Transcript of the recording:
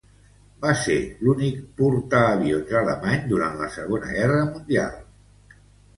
Va ser l'únic portaavions alemany durant la Segona Guerra Mundial.